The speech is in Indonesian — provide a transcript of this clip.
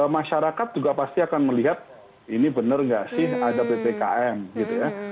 masyarakat juga pasti akan melihat ini benar nggak sih ada ppkm gitu ya